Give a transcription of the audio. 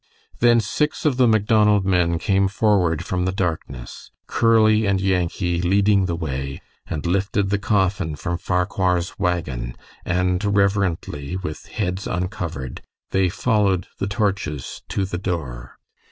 Then six of the Macdonald men came forward from the darkness, Curly and Yankee leading the way, and lifted the coffin from Farquhar's wagon, and reverently, with heads uncovered, they followed the torches to the door.